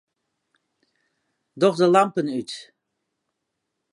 Doch de lampen út.